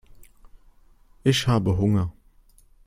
Ich habe Hunger.